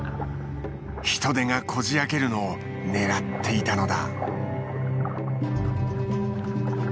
ヒトデがこじあけるのを狙っていたのだ。